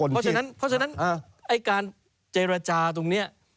เพราะฉะนั้นไอ้การเจรจาตรงเนี่ย